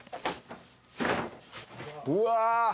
うわ！